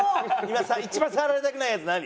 今一番触られたくないやつ何？